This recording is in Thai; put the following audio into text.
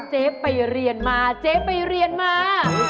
เจ๊ไปเรียนมาเจ๊ไปเรียนมา